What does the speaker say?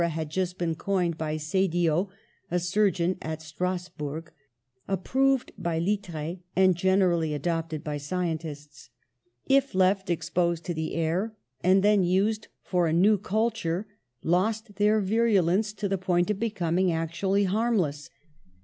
had just been coined by Sedillot, a surgeon at Strasburg, approved by Littre, and generally adopted by scientists), if left exposed to the air, and then used for a new culture, lost their virulence to the point of be coming actually harmless.